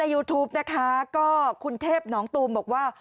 ยูทูปนะคะก็คุณเทพหนองตูมบอกว่า